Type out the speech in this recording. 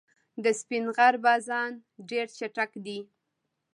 د سپین غر بازان ډېر چټک دي.